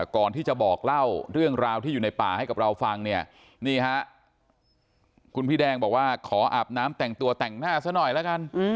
ก่อนที่จะบอกเล่าเรื่องราวที่อยู่ในป่าให้กับเราฟังเนี่ยนี่ฮะคุณพี่แดงบอกว่าขออาบน้ำแต่งตัวแต่งหน้าซะหน่อยแล้วกัน